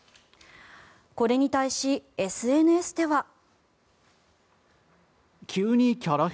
これに対しＳＮＳでは。